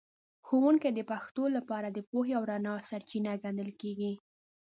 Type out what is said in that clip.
ښوونکی د پښتنو لپاره د پوهې او رڼا سرچینه ګڼل کېږي.